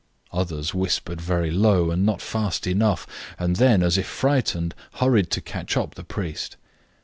Others whispered very low, and not fast enough, and then, as if frightened, hurried to catch up the priest.